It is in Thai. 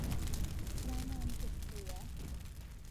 พนักงานเก็บตั๋ว